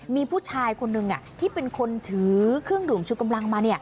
มีผู้ชายคนหนึ่งที่เป็นคนถือเครื่องดื่มชูกำลังมา